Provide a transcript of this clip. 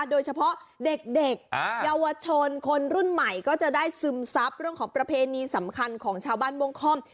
โดยเฉพาะเด็กเยาวชนคนรุ่นใหม่ก็จะได้ซึมซับเรื่องของประเพณีสำคัญของชาวบ้านม่วงค่อม